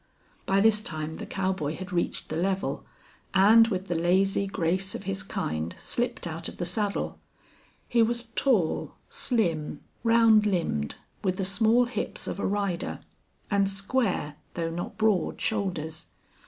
By this time the cowboy had reached the level, and with the lazy grace of his kind slipped out of the saddle. He was tall, slim, round limbed, with the small hips of a rider, and square, though not broad shoulders.